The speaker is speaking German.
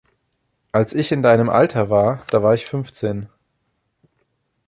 Als ich in deinem Alter war, da war ich Fünfzehn.